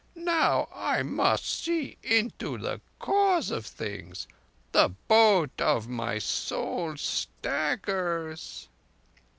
Now I must see into the Cause of Things. The boat of my soul staggers."